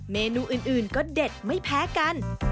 เมนูอื่นก็เด็ดไม่แพ้กัน